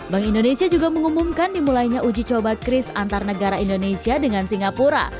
bank indonesia juga mengumumkan dimulainya uji coba kris antar negara indonesia dengan singapura